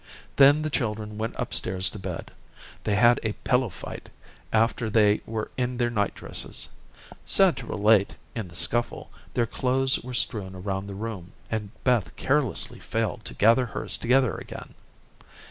Then the children went up stairs to bed. They had a pillow fight after they were in their night dresses. Sad to relate, in the scuffle, their clothes were strewn around the room, and Beth carelessly failed to gather hers together again.